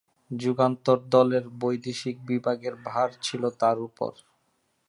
যুগান্তর দলের বৈদেশিক বিভাগের ভার ছিল তার ওপর।